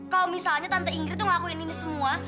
kalau misalnya tante inggris tuh ngelakuin ini semua